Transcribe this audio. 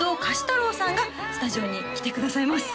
太郎さんがスタジオに来てくださいます